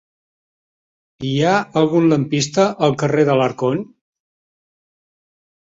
Hi ha algun lampista al carrer d'Alarcón?